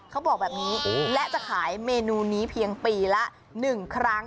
เขาบอกแบบนี้และจะขายเมนูนี้เพียงปีละ๑ครั้ง